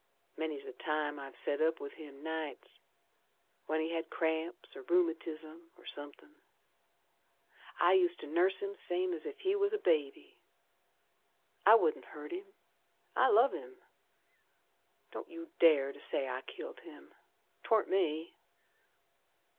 Many's the time I've set up with him nights When he had cramps, or rheumatizm, or somethin'. I used ter nurse him same's ef he was a baby. I wouldn't hurt him, I love him! Don't you dare to say I killed him. 'Twarn't me!